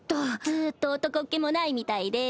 ずっと男っ気もないみたいで。